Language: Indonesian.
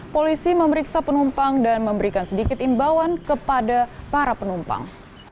polisi memeriksa penumpang dan memberikan sedikit imbauan kepada para penumpang